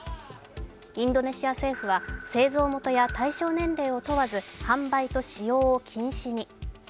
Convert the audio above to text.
インドネシア政府は製造元や対象年齢を問わず販売と使用を禁止に。